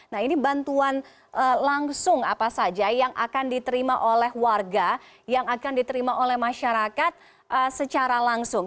nah ini bantuan langsung apa saja yang akan diterima oleh warga yang akan diterima oleh masyarakat secara langsung